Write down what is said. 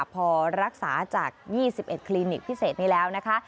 พอรักษาจาก๒๑คลินิกพิเศษนี้แล้วนะคะ